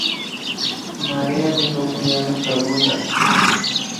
María mikukun yanushka lulunta